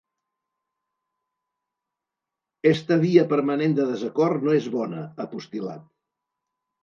“Esta via permanent de desacord no és bona”, ha postil·lat.